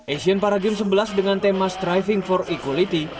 asian paragame sebelas dengan tema striving for equality